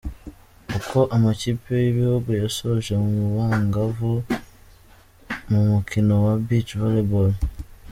Uko amakipe y’ibihugu yasoje mu bangavu mu mukino wa Beach Volley Ball.